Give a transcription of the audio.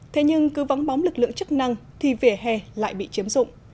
thế nhưng cứ vắng bóng lực lượng chức năng thì vỉa hè lại bị chiếm dụng